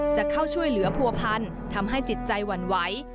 จะเข้าช่วยเหลือผัวพันธ์ทำให้จิตใจหวั่นไหว